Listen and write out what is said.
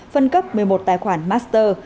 phân cấp một mươi một tài khoản master